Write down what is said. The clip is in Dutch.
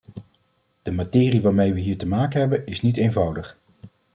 De materie waarmee we hier te maken hebben is niet eenvoudig.